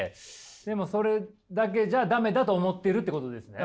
でもそれだけじゃ駄目だと思ってるってことですね？